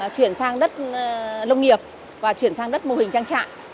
chuyển sang đất nông nghiệp và chuyển sang đất mô hình trang trại